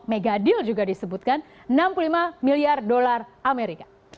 mega deal juga disebutkan enam puluh lima miliar dolar amerika